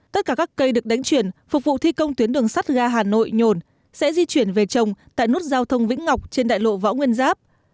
tất cả các cây được đánh chuyển phục vụ thi công tuyến đường sắt ga hà nội nhồn sẽ di chuyển về trồng tại nút giao thông vĩnh ngọc trên đại lộ võ nguyên giáp